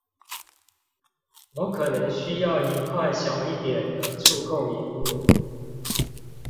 我可能需要一塊小一點的觸控螢幕